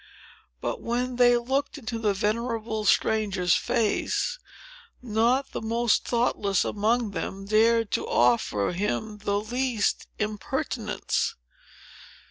But, when they looked into the venerable stranger's face, not the most thoughtless among them dared to offer him the least impertinence.